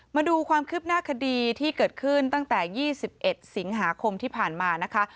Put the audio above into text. มาดูความคืบหน้าคดีที่เกิดขึ้นตั้งแต่๒๑สิงหาคมที่ผ่านมานะคะ